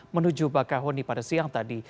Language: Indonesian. menuju bakahoni pada siang tadi